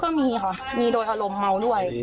ก็มีค่ะมีโดยอารมณ์เมาด้วย